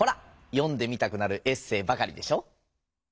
読んでみたくなるエッセーばかりでしょ？